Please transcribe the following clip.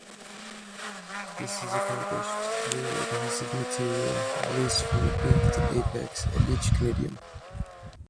This is accomplished through adhesive material released from the beaked apex of each conidium.